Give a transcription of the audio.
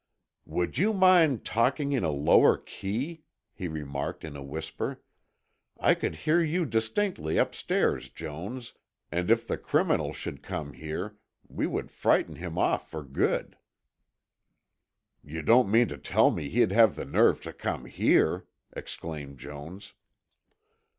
"Would you mind talking in a lower key," he remarked in a whisper. "I could hear you distinctly upstairs, Jones, and if the criminal should come here, we would frighten him off for good." "You don't mean to tell me he'd have the nerve to come here!" exclaimed Jones.